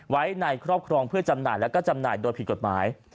ไว้ในครอบครองเพื่อจำหน่ายและก็จำหน่ายโดยผิดกฎหมาย